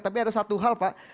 tapi ada satu hal pak